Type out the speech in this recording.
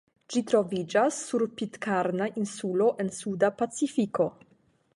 Ĝi troviĝas sur Pitkarna insulo en suda Pacifiko.